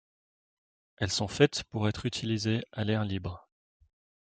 Elles sont faites pour être utilisées à l'air libre.